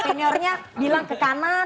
seniornya bilang ke kanan